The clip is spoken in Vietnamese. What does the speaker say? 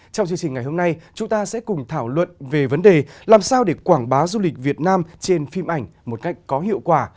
trong chương trình ngày hôm nay chúng ta sẽ cùng thảo luận về vấn đề làm sao để quảng bá du lịch việt nam trên phim ảnh một cách có hiệu quả